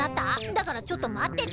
だからちょっとまってて？